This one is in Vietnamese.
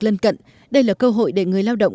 lân cận đây là cơ hội để người lao động